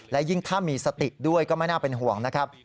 และยิ่งถ้ามีสติด้วยก็ไม่น่าเป็นห่วงนะครับ